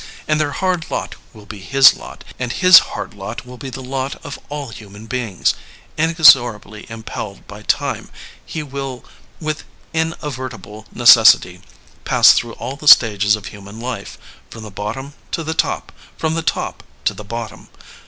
And their hard lot will be his lot, and his hard lot will be the lot of all human beings. Inexorably impelled by time he will with inavertible necessity pass through all the stages of human life, from the bottom to the top, from the top to the bot tom.